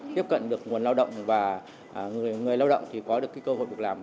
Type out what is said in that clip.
tiếp cận được nguồn lao động và người lao động thì có được cơ hội việc làm